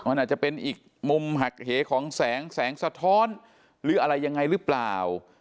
มันอาจจะเป็นอีกมุมหักเหของแสงแสงสะท้อนหรืออะไรยังไงหรือเปล่า